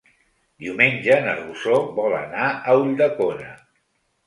Diumenge na Rosó vol anar a Ulldecona.